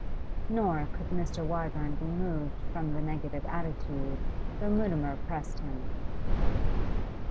Nor could Mr. Wyvern be moved from the negative attitude, though Mutimer pressed him.